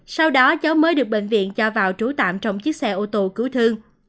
sau đó cháu mới được bệnh viện cho vào trú tạm trong chiếc xe ô tô cứu thương